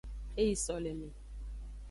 E yi soleme.